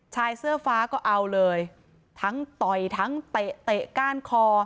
ชายเสื้อฟ้าก็เอาเลยทั้งต่อยทั้งเตะเตะก้านคอ